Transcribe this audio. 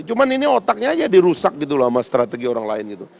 cuma ini otaknya aja dirusak gitu sama strategi orang lain gitu